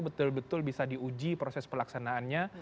betul betul bisa diuji proses pelaksanaannya